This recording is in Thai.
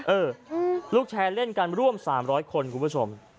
เออลูกแชร์เล่นกันร่วม๓๐๐คนคุณผู้ชม